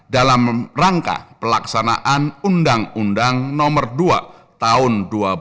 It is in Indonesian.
dalam rangka pelaksanaan undang undang nomor dua tahun dua ribu